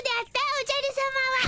おじゃるさまは。